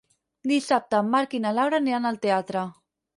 Dissabte en Marc i na Laura aniran al teatre.